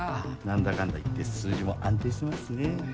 何だかんだいって数字も安定してますしね。